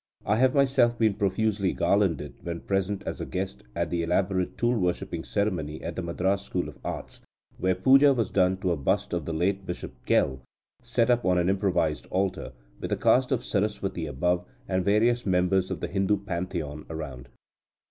I have myself been profusely garlanded when present as a guest at the elaborate tool worshipping ceremony at the Madras School of Arts, where puja was done to a bust of the late Bishop Gell set up on an improvised altar, with a cast of Saraswati above, and various members of the Hindu Pantheon around.